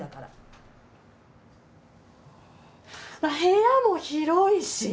部屋も広いし。